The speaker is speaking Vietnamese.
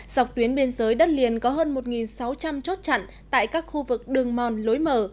dọc tuyến biên giới đất liền có hơn một sáu trăm linh chốt chặn tại các khu vực đường mòn lối mở